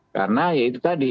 karena ya itu tadi